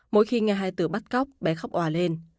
mỗi khi nghe hai từ bắt cóc bé khóc à lên